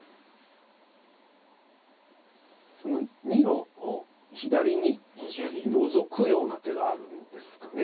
その２路左にノゾくような手があるんですか。